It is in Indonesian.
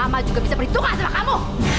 mama juga bisa berhitungan sama kamu